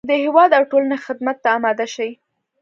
د هېواد او ټولنې خدمت ته اماده شي.